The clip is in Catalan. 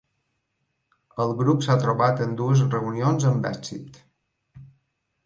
El grup s'ha trobat en dues reunions amb èxit.